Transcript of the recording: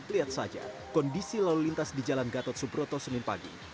lihat saja kondisi lalu lintas di jalan gatot subroto senin pagi